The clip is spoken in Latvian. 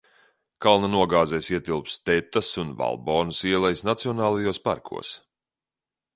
Kalna nogāzes ietilpst Tetas un Valbonas ielejas nacionālajos parkos.